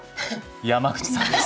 山口さんです。